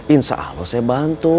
insya allah saya bantu